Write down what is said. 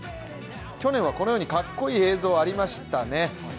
去年はこのようにかっこいい映像がありましたね。